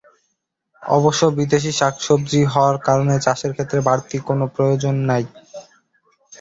অবশ্য বিদেশি শাকসবজি হওয়ার কারণে চাষের ক্ষেত্রে বাড়তি কোনো যত্নের প্রয়োজন নেই।